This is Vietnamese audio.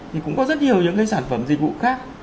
thì cũng có rất nhiều những cái sản phẩm dịch vụ khác